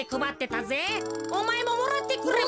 おまえももらってくれば。